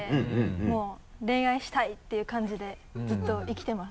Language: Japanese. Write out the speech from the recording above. もう恋愛したい！っていう感じでずっと生きてます。